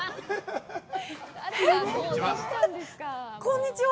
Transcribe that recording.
こんにちは。